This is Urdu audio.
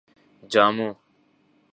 جامو